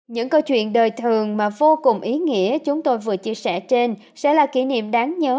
những câu chuyện đời thường mà vô cùng ý nghĩa chúng tôi vừa chia sẻ trên sẽ là kỷ niệm đáng nhớ